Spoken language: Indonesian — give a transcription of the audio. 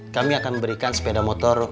kami akan memberikan sepeda motor